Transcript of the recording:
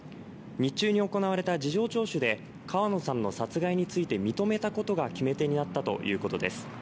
日中に行われた事情聴取で川野さんの殺害について認めたことが決め手になったということです。